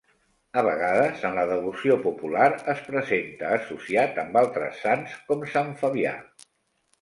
A vegades, en la devoció popular, es presenta associat amb altres sants com Sant Fabià.